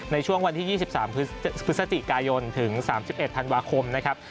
ในช่วงวันที่๒๓พฤศจิกายนถึง๓๑ธันวาคมนะครับ